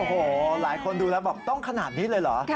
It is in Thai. โอ้โหหลายคนดูแล้วบอกต้องขนาดนี้เลยเหรอ